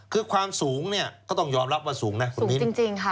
คือความสูงก็ต้องยอมรับว่าสูงนะสูงจริงค่ะ